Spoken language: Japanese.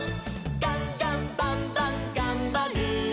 「ガンガンバンバンがんばる！」